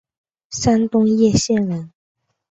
山东掖县人。